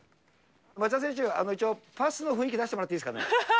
町田選手、一応パスの雰囲気出してもらっていいですかね。